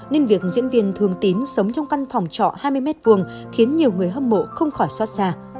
nên việc diễn viên thường tín sống trong căn phòng trọ hai mươi m hai khiến nhiều người hâm mộ không khỏi xót xa